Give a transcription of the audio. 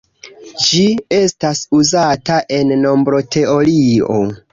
Ĝi estas uzata en nombroteorio.